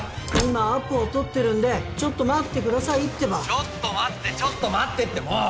今アポを取ってるんでちょっと待ってくださいってばちょっと待ってちょっと待ってってもう！